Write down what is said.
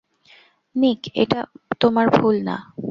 নিক, এটা তোমার ভুল না।